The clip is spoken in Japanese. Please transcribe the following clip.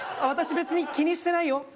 私別に気にしてないよ？